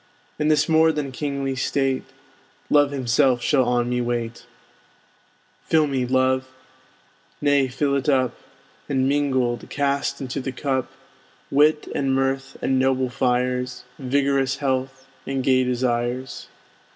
In this more than kingly state Love himself shall on me wait. Fill to me, Love, nay fill it up; And, mingled, cast into the cup Wit, and mirth, and noble fires, Vigorous health, and gay desires.